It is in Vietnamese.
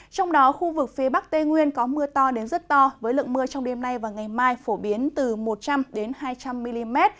trong đó khu vực phía bắc tây nguyên có mưa to đến rất to với lượng mưa trong đêm nay và ngày mai phổ biến từ một trăm linh hai trăm linh mm